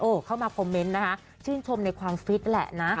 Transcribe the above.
เข้ามาคอมเมนต์นะคะชื่นชมในความฟิตแหละนะ